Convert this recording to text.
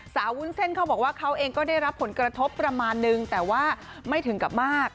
วุ้นเส้นเขาบอกว่าเขาเองก็ได้รับผลกระทบประมาณนึงแต่ว่าไม่ถึงกับมาก